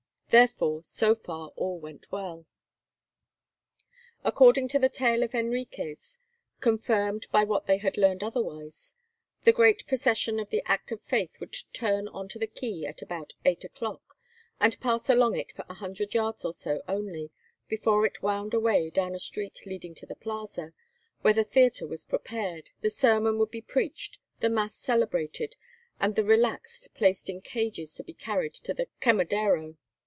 Therefore, so far all went well. According to the tale of Henriques, confirmed by what they had learned otherwise, the great procession of the Act of Faith would turn on to the quay at about eight o'clock, and pass along it for a hundred yards or so only, before it wound away down a street leading to the plaza where the theatre was prepared, the sermon would be preached, the Mass celebrated, and the "relaxed" placed in cages to be carried to the Quemadero.